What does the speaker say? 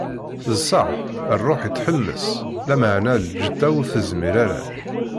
D ṣṣeḥḥ, Ṛṛuḥ itḥemmes, lameɛna lǧetta ur tezmir ara.